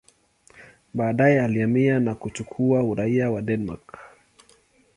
Baadaye alihamia na kuchukua uraia wa Denmark.